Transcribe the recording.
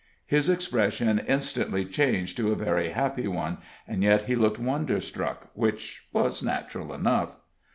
His expression instantly changed to a very happy one, and yet he looked wonderstruck, which was natural enough.